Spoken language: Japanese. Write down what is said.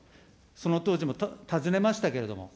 その当時も尋ねましたけれども。